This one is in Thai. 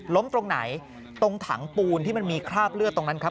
ตรงไหนตรงถังปูนที่มันมีคราบเลือดตรงนั้นครับ